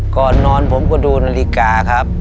ก่อนนอนผมก็ดูนาฬิกาครับ